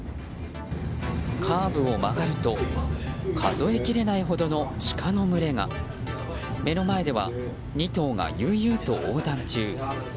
カーブを曲がると数えきれないほどのシカの群れが目の前では、２頭が悠々と横断中。